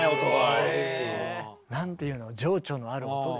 すごい。何ていうの情緒のある音で。